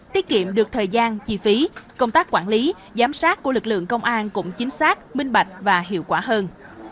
tiết kiệm được thời gian chi phí công tác quản lý giám sát của lực lượng công an cũng chính xác minh bạch và hiệu quả hơn